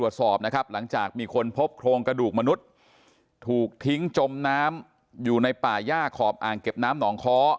หลังจากมีคนพบโครงกระดูกมนุษย์ถูกทิ้งจมน้ำอยู่ในป่าหญ้าขอบอ่างเก็บน้ำหนองค้า